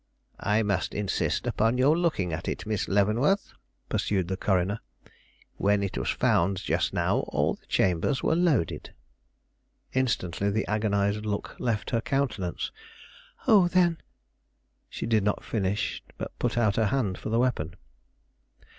"I must insist upon your looking at it, Miss Leavenworth," pursued the coroner. "When it was found just now, all the chambers were loaded." Instantly the agonized look left her countenance. "Oh, then " She did not finish, but put out her hand for the weapon.